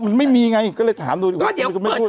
มันไม่มีไงดูดิกว่า